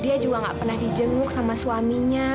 dia juga gak pernah di jenguk sama suaminya